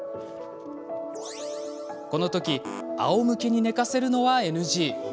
このときあおむけに寝かせるのはＮＧ。